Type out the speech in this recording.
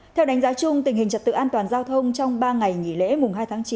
theo đánh giá chung tình hình trật tự an toàn giao thông trong ba ngày nghỉ lễ mùng hai tháng chín